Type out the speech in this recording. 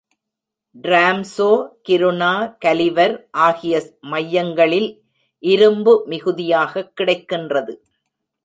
Tromsø, கிருனா, Gulliver ஆகிய மையங்களில் இரும்பு மிகுதியாகக் கிடைக்கின்றது.